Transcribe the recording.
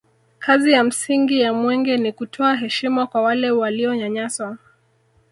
kazi ya msingi ya mwenge ni kutoa heshima kwa wale walionyanyaswa